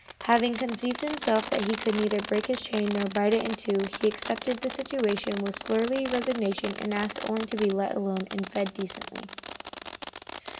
Having convinced himself that he could neither break his chain nor bite it in two, he accepted the situation with surly resignation and asked only to be let alone and fed decently.